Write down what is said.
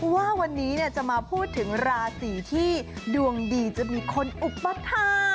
ว่าวันนี้จะมาพูดถึงราศีที่ดวงดีจะมีคนอุปถา